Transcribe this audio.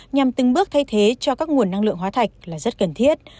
nhằm từng bước thay thế cho các nguồn năng lượng hóa thạch là rất cần thiết